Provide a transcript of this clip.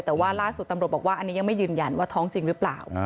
แต่ว่าล่าสุดตำรวจบอกว่าอันนี้ยังไม่ยืนยันว่าท้องจริงหรือเปล่า